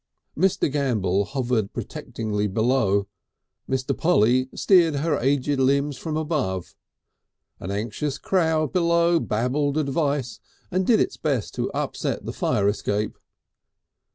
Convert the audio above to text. Mr. Gambell hovered protectingly below. Mr. Polly steered her aged limbs from above. An anxious crowd below babbled advice and did its best to upset the fire escape.